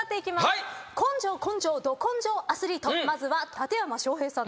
根性根性ど根性アスリートまずは館山昌平さんです。